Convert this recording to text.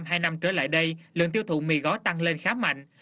hai năm trở lại đây lượng tiêu thụ mì gói tăng lên khá mạnh